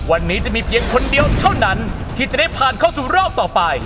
วันนี้จะมีเพียงคนเดียวเท่านั้นที่จะได้ผ่านเข้าสู่รอบต่อไป